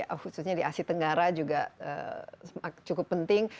khususnya di asia tenggara juga cukup penting